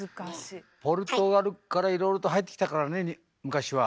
ポルトガルからいろいろと入ってきたからね昔は。